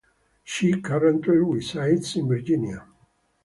She currently resides in Virginia.